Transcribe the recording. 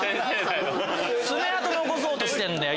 爪痕残そうとしてんだよ！